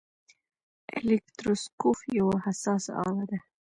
الکتروسکوپ یوه حساسه آله ده.